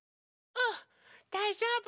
うんだいじょうぶ。